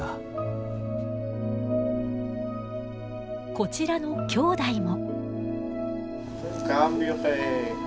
こちらの兄弟も。